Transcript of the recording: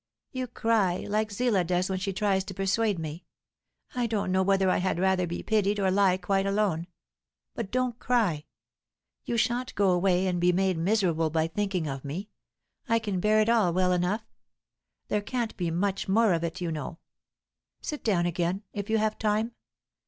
"You cry, like Zillah does when she tries to persuade me. I don't know whether I had rather be pitied, or lie quite alone. But don't cry. You shan't go away and be made miserable by thinking of me. I can bear it all well enough; there can't be much more of it, you know. Sit down again, if you have time.